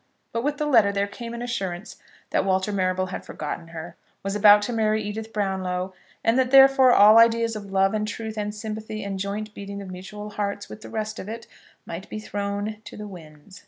But, with the letter there came an assurance that Walter Marrable had forgotten her, was about to marry Edith Brownlow, and that therefore all ideas of love and truth and sympathy and joint beating of mutual hearts, with the rest of it, might be thrown to the winds.